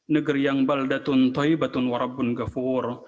negeri yang baldatun taibatun warabun ghafur